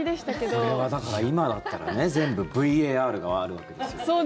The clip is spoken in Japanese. これは、今だったら全部ＶＡＲがあるわけですよ。